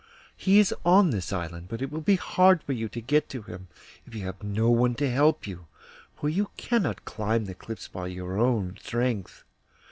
He is on this island; but it will be hard for you to get to him if you have no one to help you, for you cannot climb the cliffs by your own strength.